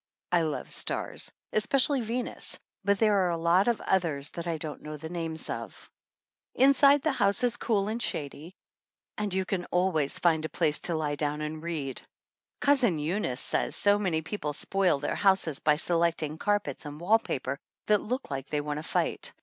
I love stars, especially Venus; but there arfe a lot of others that I dom't know the naaifcg of. 8 THE ANNALS OF ANN Inside, the house is cool and shady ; and you can always find a place to lie down and read. Cousin Eunice says so many people spoil their houses by selecting carpets and wall paper that look like they want to fight.